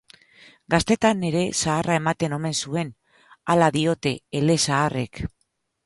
Gaztetan ere zaharra ematen omen zuen, hala diote elezaharrek.